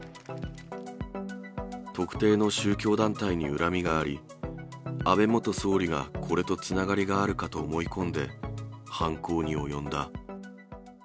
特定の宗教団体に恨みがあり、安倍元総理がこれとつながりがあるかと思い込んで、犯行に及んだ。